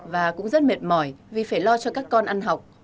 và cũng rất mệt mỏi vì phải lo cho các con ăn học